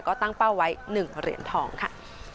ก็ตั้งเป้าไว้๑เหรียญทองค่ะ